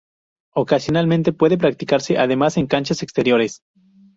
Ocasionalmente, puede practicarse además en canchas exteriores.